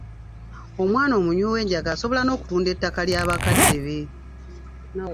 Omwana omunywi w’enjaga asobola n’okutunda ettaka lya bakadde be.